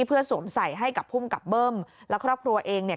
เพื่อสวมใส่ให้กับภูมิกับเบิ้มแล้วครอบครัวเองเนี่ย